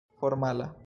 formala